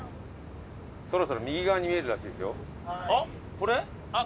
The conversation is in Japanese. そろそろ右側に見えるらしいですよ。